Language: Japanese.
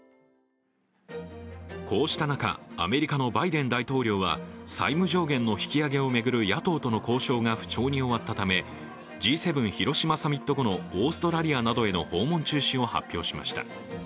こうした中、アメリカのバイデン大統領は債務上限の引き上げを巡る野党との交渉が不調に終わったため、Ｇ７広島サミット後のオーストラリアなどへの訪問中止を発表しました。